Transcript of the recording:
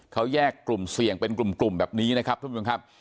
เขาแยกกลุ่มเสี่ยงเป็นกลุ่มแบบนี้นะครับทุกคนค่ะ